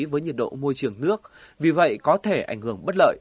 với nhiệt độ môi trường nước vì vậy có thể ảnh hưởng bất lợi